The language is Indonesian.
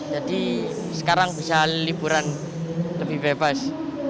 jadi sekarang bisa liburan lebih bebas